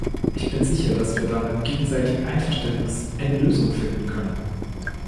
Ich bin sicher, dass wir dann im gegenseitigen Einverständnis eine Lösung finden können.